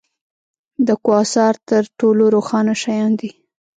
د کواسار تر ټولو روښانه شیان دي.